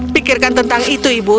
pikirkan tentang itu ibu